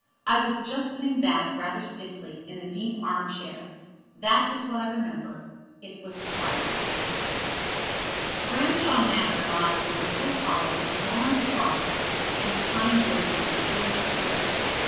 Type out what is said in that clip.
I was just sitting back, rather stiffly, in a deep arm chair. That is what I remember. It was twilight. Branshaw Manor lies in a little hollow with lawns across it and pine woods on the fringe of the dip.